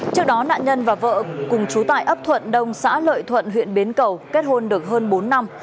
trước đó nạn nhân và vợ cùng chú tại ấp thuận đông xã lợi thuận huyện bến cầu kết hôn được hơn bốn năm